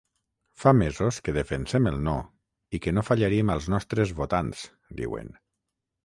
Fa mesos que defensem el no i que no fallaríem als nostres votants, diuen.